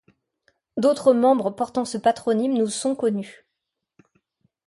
D'autres membres portant ce patronyme nous sont connus.